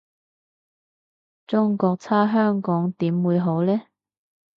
中國差香港點會好呢？